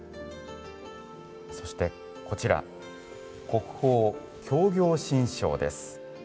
そして、こちら、国宝「教行信証」です。